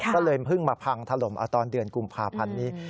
ก็เลยพึ่งมาพังทะลมตอนเดือนกุมพาพันธุ์นี้